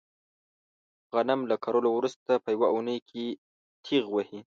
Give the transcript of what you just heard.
غنم له کرلو ورسته په یوه اونۍ کې تېغ وهي.